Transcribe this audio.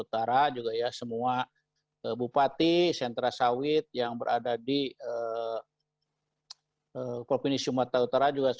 utara juga ya semua bupati sentrasaara dan bupati bupati ini juga ya semua bupati sentrasaara dan bupati